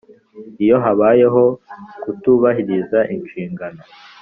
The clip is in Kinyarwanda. iyo habayeho kutubahiriza inshingano